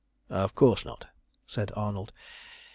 "Of course not," said Arnold.